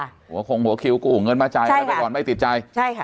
หัวโครงหัวคิวกูหัวเงินมาจ่ายใช่ค่ะไม่ติดใจใช่ค่ะ